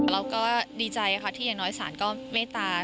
เราก็ดีใจค่ะที่อย่างน้อยศาลก็เมตตา